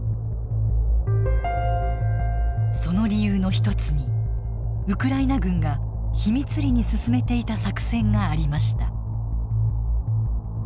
その理由の一つにウクライナ軍が秘密裏に進めていた作戦がありました。